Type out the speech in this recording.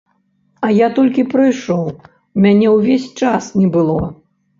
А я толькі прыйшоў, мяне ўвесь час не было.